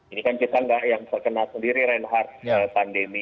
ini kan kita nggak yang terkena sendiri reinhardt pandemi